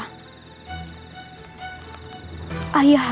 tidak melakukan apa apa